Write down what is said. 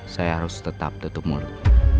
saya harus tetap tutup mulut